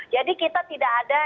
jadi kita tidak ada